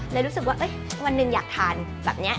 ในรู้สึกว่าเฮ้ยวันนึงอยากทานแบบนี้